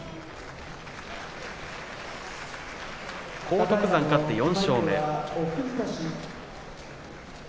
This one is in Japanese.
荒篤山勝って４勝目。